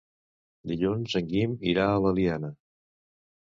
Dilluns en Guim irà a l'Eliana.